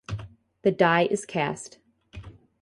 The die is cast.